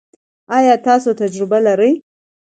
ایا تاسو تجربه لرئ؟